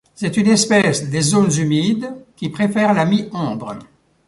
C'est une espèce des zones humides qui préfère la mi-ombre.